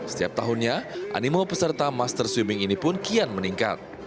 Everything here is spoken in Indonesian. setiap tahunnya animo peserta master swimming ini pun kian meningkat